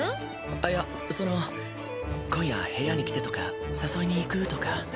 あっいやその今夜部屋に来てとか誘いに行くとか。